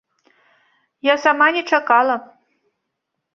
Я сама не чакала.